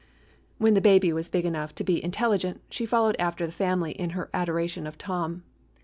When the baby was big enough to be intel ligent, she followed after the family in her adoration of Tom.